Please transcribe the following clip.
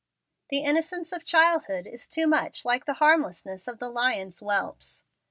The innocence of childhood is too much like the harmlessness of the lion's whelps.